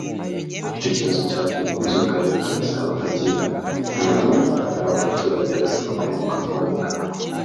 Icyo kibazo cyatumye umuyobozi w’Akarere ka Gasabo agirana inama n’abo baturage abasaba kwimuka vuba na bwangu